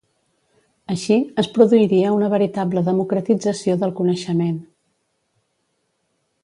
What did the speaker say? Així, es produiria una veritable democratització del coneixement.